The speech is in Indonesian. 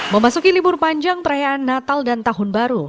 memasuki libur panjang perayaan natal dan tahun baru